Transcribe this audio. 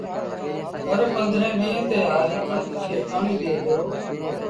هرپنڌرهين ڏيݩهݩ تي هآري ڪڻڪ کي پآڻيٚ ڏي دو